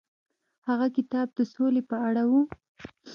هغه کتاب د سولې په اړه و.